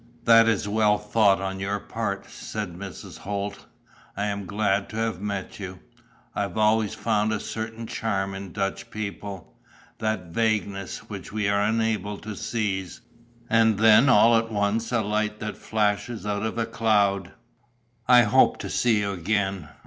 "That is well thought on your part," said Mrs. Holt. "I am glad to have met you. I always find a certain charm in Dutch people: that vagueness, which we are unable to seize, and then all at once a light that flashes out of a cloud.... I hope to see you again.